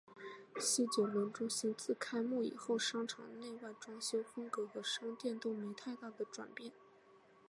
西九龙中心自开幕以后商场内外装修风格和商店都没太大的转变。